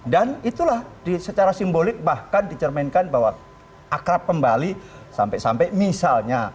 dan itulah secara simbolik bahkan dicerminkan bahwa akrab pembali sampai misalnya